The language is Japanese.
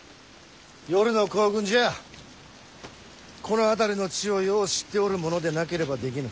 夜の行軍じゃこの辺りの地をよう知っておる者でなければできぬ。